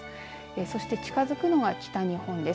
そして近づくのは北日本です。